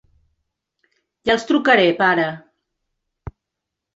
Ja els trucaré, pare.